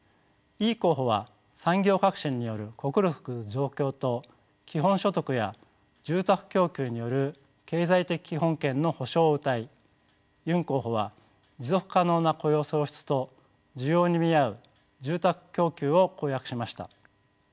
イ候補は産業革新による国力増強と基本所得や住宅供給による経済的基本権の保障をうたいユン候補は持続可能な雇用創出と需要に見合う住宅供給を公約しました。